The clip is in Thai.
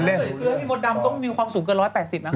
ถ้าเราซื้อให้พี่มดดำต้องมีความสูงเกิน๑๘๐นะคะ